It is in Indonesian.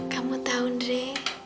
kamu tahu re